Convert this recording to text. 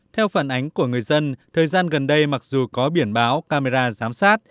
theo phản ánh của người dân thời gian gần đây mặc dù có biển báo camera giám sát